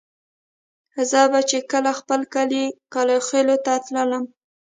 زه به چې کله خپل کلي کلاخېلو ته تللم.